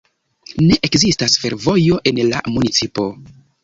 Ne ekzistas fervojo en la municipo.